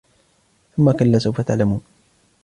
ثم كلا سوف تعلمون